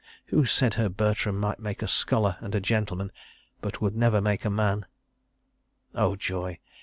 Who said her Bertram might make a scholar and a gentleman—but would never make a man? Oh, joy!